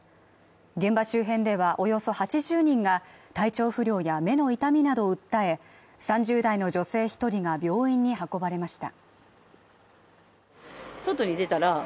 現場周辺ではおよそ８０人が体調不良や目の痛みなどを訴え、３０代の女性１人が病院に運ばれました。